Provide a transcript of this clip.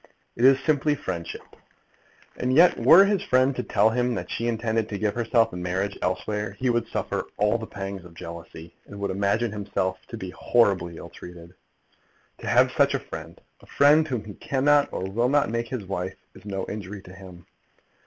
It is simply friendship. And yet were his friend to tell him that she intended to give herself in marriage elsewhere, he would suffer all the pangs of jealousy, and would imagine himself to be horribly ill treated! To have such a friend, a friend whom he cannot or will not make his wife, is no injury to him.